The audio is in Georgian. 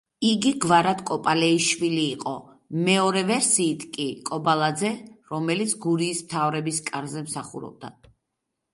იგი გვარად კოპალეიშვილი იყო, მეორე ვერსიით კი კობალაძე, რომელიც გურიის მთავრების კარზე მსახურობდა.